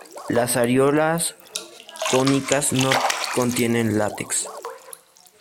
Las areolas cónicas no contienen látex.